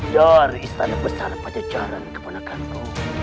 dari istana besar pajajaran ke manakanku